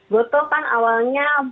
gotoh kan awalnya